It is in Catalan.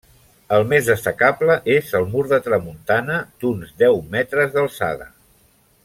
El més destacable és el mur de tramuntana, d'uns deu metres d'alçada.